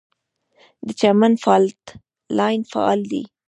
د چمن فالټ لاین فعال دی